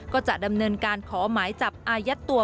ก็จะดำเนินการขอหมายจับอายัดตัว